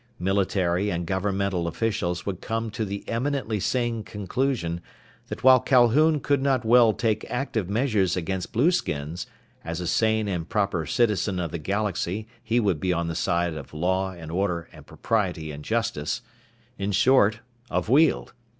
Military and governmental officials would come to the eminently sane conclusion that while Calhoun could not well take active measures against blueskins, as a sane and proper citizen of the galaxy he would be on the side of law and order and propriety and justice in short, of Weald.